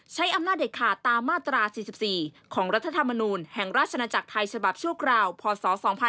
ใช้อำนาจเด็ดขาดตามมาตรา๔๔ของรัฐธรรมนูลแห่งราชนาจักรไทยฉบับชั่วคราวพศ๒๕๖๒